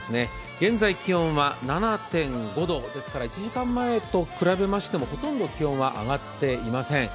現在気温は７．５度ですから１時間前と比べましてもほとんど気温は上がっていません。